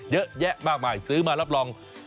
เยอะแยะมากมายซื้อมารับรอง